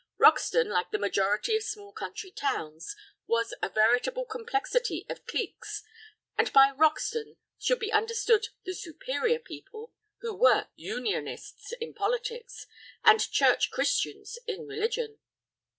Roxton, like the majority of small country towns, was a veritable complexity of cliques, and by "Roxton" should be understood the superior people who were Unionists in politics, and Church Christians in religion.